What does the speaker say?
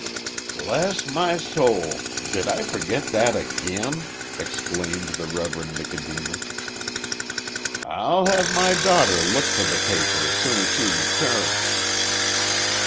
"Bless my soul, did I forget that again?" exclaimed the Reverend Nicodemus. "I'll have my daughter look for the paper as soon as she returns."